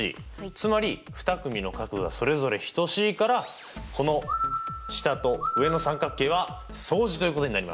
つまり２組の角がそれぞれ等しいからこの下と上の三角形は相似ということになります。